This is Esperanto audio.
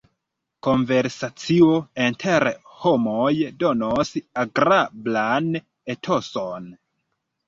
Konversacio inter homoj donos agrablan etoson.